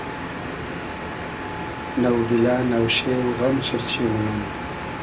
نۆبیلۂ نۆشېۉ غئم چیرچی مونوم